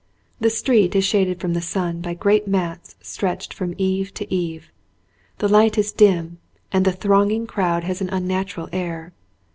The street is shaded from the sun by great mats stretched from eave to eave; the light is dim and the thronging crowd has an unnatural air.